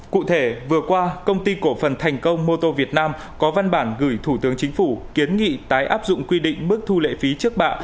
cụ thể vừa qua công ty cổ phần thành công mô tô việt nam có văn bản gửi thủ tướng chính phủ kiến nghị tái áp dụng quy định mức thu lệ phí trước bạ